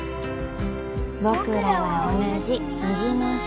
「ぼくらは同じ虹の下」